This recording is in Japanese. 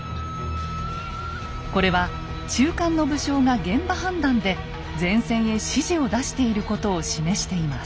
これは中間の武将が現場判断で前線へ指示を出していることを示しています。